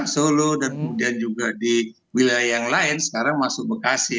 solo dan kemudian juga di wilayah yang lain sekarang masuk bekasi